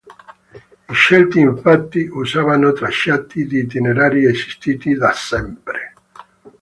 I Celti infatti usavano tracciati di itinerari esistiti "da sempre".